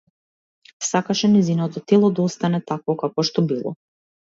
Сакаше нејзиното тело да остане такво какво што било.